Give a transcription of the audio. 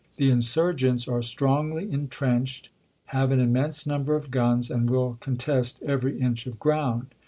The insurgents are strongly intrenched, have an immense number of guns, and will contest every inch of ground.